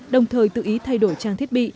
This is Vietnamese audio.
đồng thời tự ý thay đổi trang thiết bị